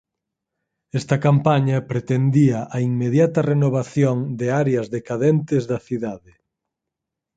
Esta campaña pretendía a inmediata renovación de áreas decadentes da cidade.